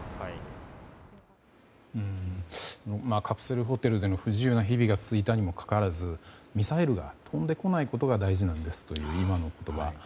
カプセルホテルでの不自由な日々が続いたにもかかわらずミサイルが飛んでこないことが大事なんですという今の言葉。